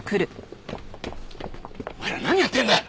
お前ら何やってんだ！